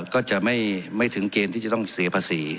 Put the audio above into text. ก็จะไม่ถึงเกณฑ์ที่จะต้องเสียภาษี